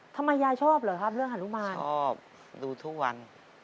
ทำไมยายชอบเหรอครับเรื่องฮานุมานชอบดูทุกวัน